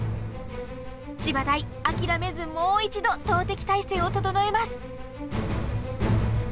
千葉大あきらめずもう一度投てき体勢を整えます。